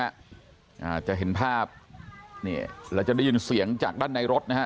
อ่าจะเห็นภาพนี่เราจะได้ยินเสียงจากด้านในรถนะฮะ